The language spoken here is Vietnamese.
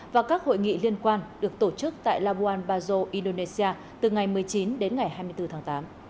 và các hội nghị liên quan được tổ chức tại labuan bajo indonesia từ ngày một mươi chín đến ngày hai mươi bốn tháng tám